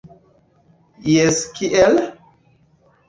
Jes kiel?